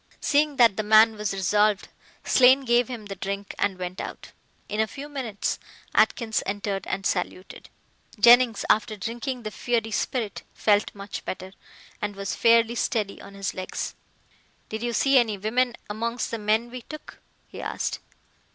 Seeing that the man was resolved, Slane gave him the drink and went out. In a few minutes Atkins entered and saluted. Jennings, after drinking the fiery spirit, felt much better, and was fairly steady on his legs. "Did you see any women amongst the men we took?" he asked.